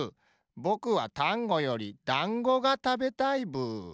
ぼくはタンゴよりだんごがたべたいブー。